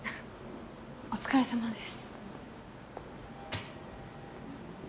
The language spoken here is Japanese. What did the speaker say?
お疲れさまです。